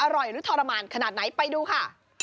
หรือทรมานขนาดไหนไปดูค่ะ